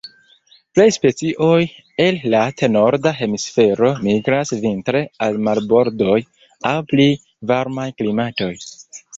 Plej specioj el lat norda hemisfero migras vintre al marbordoj aŭ pli varmaj klimatoj.